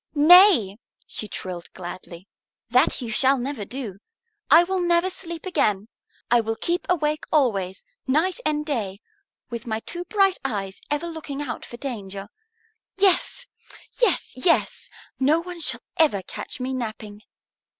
"Nay!" she trilled gladly. "That you shall never do. I will never sleep again. I will keep awake always, night and day, with my two bright eyes ever looking out for danger. Yes, yes, yes! No one shall ever catch me napping."